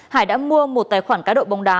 hải đã mua một tài khoản cá độ bóng đá